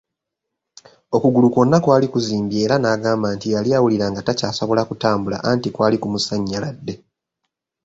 Okugulu kwona kwali kuzimbye era n’agamba nti yali awuliranga takyasobola kutambula anti kwali kumusanyaladde.